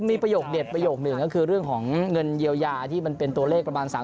มีประโยคเด็ดประโยคหนึ่งก็คือเรื่องของเงินเยียวยาที่มันเป็นตัวเลขประมาณ๓๐๐